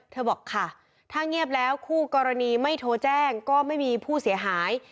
บอกค่ะถ้าเงียบแล้วคู่กรณีไม่โทรแจ้งก็ไม่มีผู้เสียหาย